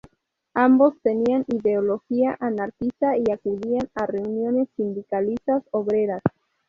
Ambos tenían ideología anarquista y acudían a reuniones sindicalistas obreras.